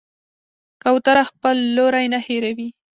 کوتره خپل لوری نه هېروي.